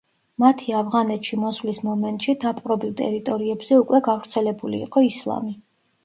მათი ავღანეთში მოსვლის მომენტში დაპყრობილ ტერიტორიებზე უკვე გავრცელებული იყო ისლამი.